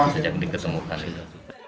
sejak ditemukan itu